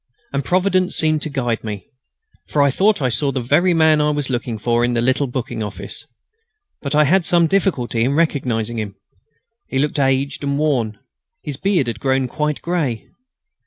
And Providence seemed to guide me, for I thought I saw the very man I was looking for in the little booking office. But I had some difficulty in recognising him. He looked aged and worn. His beard had grown quite grey.